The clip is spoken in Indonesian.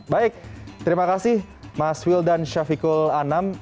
baik terima kasih mas will dan syafiqul anam